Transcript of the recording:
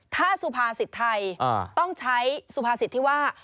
ถ้าสุภาสิทธิ์ไทยต้องใช้สุภาสิทธิ์ที่ว่า